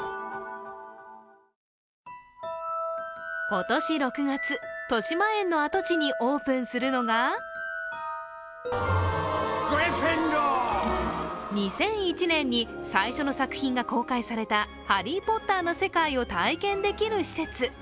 今年６月、としまえんの跡地にオープンするのが２００１年に最初の作品が公開された「ハリー・ポッター」の世界を体験できる施設。